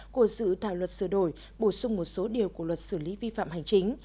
của dự thảo luật sửa đổi bổ sung một số điều của luật xử lý vi phạm hành chính